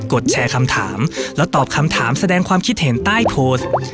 ดแชร์คำถามแล้วตอบคำถามแสดงความคิดเห็นใต้โพสต์